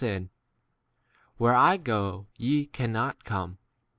sin ; where I " go, ye * cannot come.